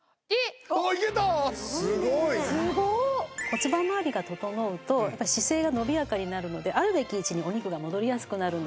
骨盤まわりが整うと姿勢が伸びやかになるのであるべき位置にお肉が戻りやすくなるんですね。